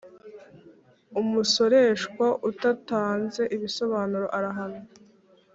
umusoreshwa utatanze ibisobanuro arahanwa